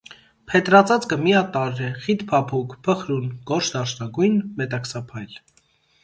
Փետրածածկը միատարր է, խիտ փափուկ, փխրուն, գորշ դարչնագույն, մետաքսափայլ։